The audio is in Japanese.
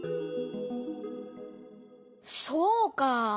そうかあ！